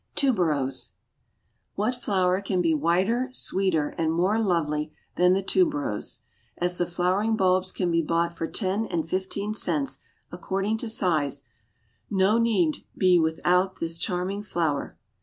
TUBEROSE. What flower can be whiter, sweeter, and more lovely than the Tuberose? As the flowering bulbs can be bought for ten and fifteen cents, according to size, no one need be without this charming flower.